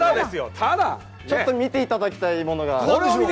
ただ、ちょっと見ていただきたいものが。